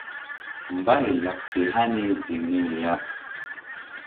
Mbay laɓ fe hani ziŋ niri ya.